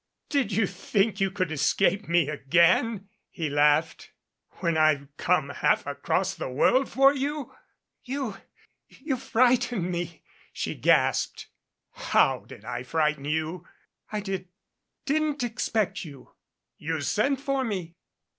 "Did you think you could escape me again?" he laughed, "when I've come half across the world for you?" "You you frightened me," she gasped. "How did I frighten you?" "I did didn't expect you " "You sent for me?"